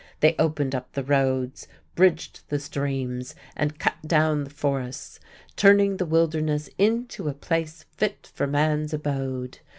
They opened up the roads, bridged the streams, and cut down the forests, turning the wilderness into a place fit for man's abode.